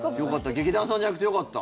劇団さんじゃなくてよかった。